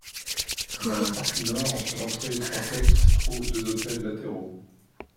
Dans la partie Nord, entre l'entrée et le transept, se trouvent deux autels latéraux.